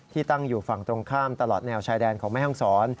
ตั้งอยู่ฝั่งตรงข้ามตลอดแนวชายแดนของแม่ห้องศร